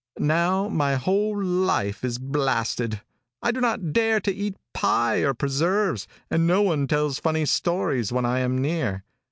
Now my whole life is blasted. I do not dare to eat pie or preserves, and no one tells funny stories when I am near.